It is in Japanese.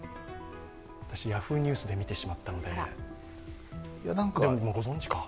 私、ヤフーニュースで見てしまったので、でもご存じか？